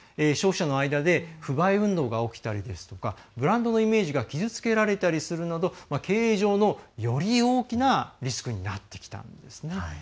消費者の間で不買運動が起きたりですとかブランドのイメージが傷つけられたりするなど経営上のより大きなリスクになってきたんですね。